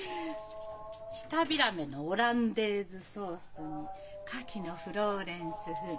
舌平目のオランデーズソースにかきのフローレンス風。